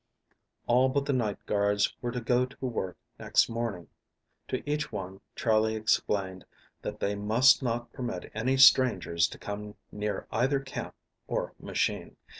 All but the night guards were to go to work next morning. To each one Charley explained that they must not permit any strangers to come near either camp or machine.